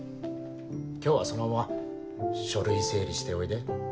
今日はそのまま書類整理しておいで。